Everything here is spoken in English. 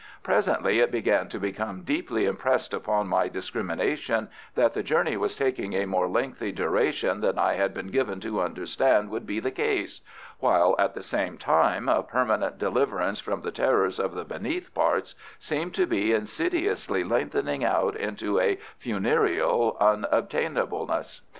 Presently it began to become deeply impressed upon my discrimination that the journey was taking a more lengthy duration than I had been given to understand would be the case, while at the same time a permanent deliverance from the terrors of the Beneath Parts seemed to be insidiously lengthening out into a funereal unattainableness.